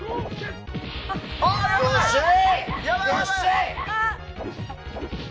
よっしゃ！